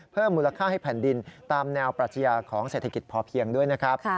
เพิ่มมูลค่าให้แผ่นดินตามแนวปรัชญาของเศรษฐกิจพอเพียงด้วยนะครับ